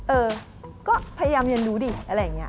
เออก็พยายามเรียนรู้ดิอะไรอย่างนี้